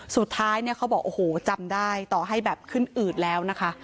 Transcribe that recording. สุดท้ายเนี่ยเขาบอกโอ้โหจำได้ต่อให้แบบขึ้นอืดแล้วนะคะ